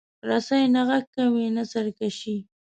رسۍ نه غږ کوي، نه سرکشي.